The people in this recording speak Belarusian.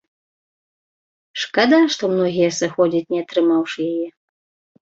Шкада, што многія сыходзяць, не атрымаўшы яе.